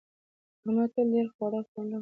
احمد تل ډېره خوره خوله لري.